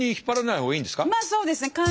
そうですね。